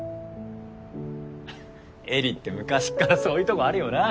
絵里って昔っからそういうとこあるよな。